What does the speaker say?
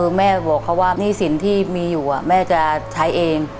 คือแม่บอกเขาว่าหนี้สินที่มีอยู่แม่จะใช้เอง